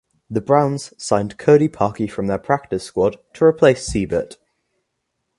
The Browns signed Cody Parkey from their practice squad to replace Seibert.